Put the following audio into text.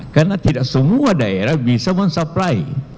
karena tidak semua daerah bisa mensupply